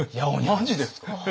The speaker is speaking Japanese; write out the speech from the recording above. マジですか？